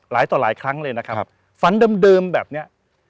หลายต่อหลายครั้งเลยนะครับฝันเดิมแบบนี้